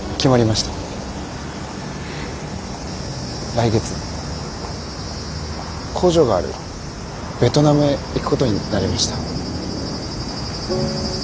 来月工場があるベトナムへ行くことになりました。